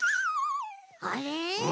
あれ？